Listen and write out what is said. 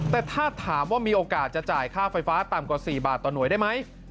แต่ถ้าถามว่ามีโอกาสจะจ่ายค่าไฟฟ้าต่ำกว่า๔บาทต่อหน่วยได้ไหม